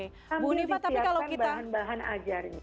ini adalah bahan bahan ajar